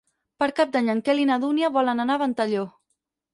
Per Cap d'Any en Quel i na Dúnia volen anar a Ventalló.